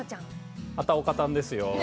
あたおかたんですよ。